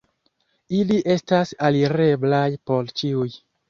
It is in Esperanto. Ili estas alireblaj por ĉiuj.